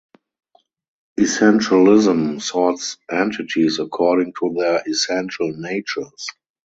Essentialism sorts entities according to their essential natures.